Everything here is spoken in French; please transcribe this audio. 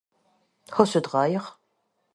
Oh, c'est trahir.